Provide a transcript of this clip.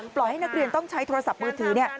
ให้นักเรียนต้องใช้โทรศัพท์มือถือ